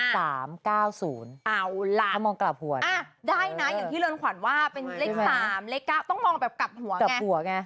เอาล่ะได้นะอยู่ที่เรือนขวัญว่าเป็นเลข๓เลข๙ต้องมองแบบกลับหัวไง